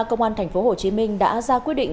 công an tp hồ chí minh đã ra quy định